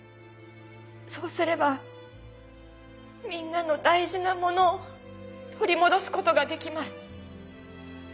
そうすればみんなの大事なものを取り戻すことができます。